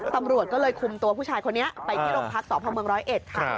ตำรวจก็เลยคุมตัวผู้ชายคนนี้ไปที่โรงพักษณ์สเม๑๐๑ค่ะ